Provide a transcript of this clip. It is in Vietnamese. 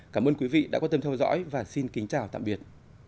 cảm ơn các bạn đã theo dõi và xin kính chào tạm biệt